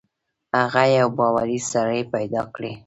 هغه یو باوري سړی پیدا کړي.